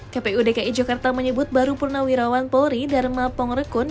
kpu dki jakarta menyebut baru purnawirawan polri dharma pongrekun